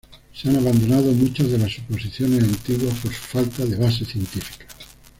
Se han abandonado muchas de las suposiciones antiguas por su falta de base científica.